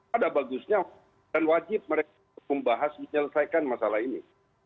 ada bagusnya dan wajib mereka membahas menyelesaikan masalah ini